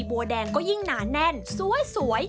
บัวแดงก็ยิ่งหนาแน่นสวย